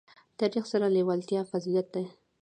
تاریخ سره لېوالتیا فضیلت ده.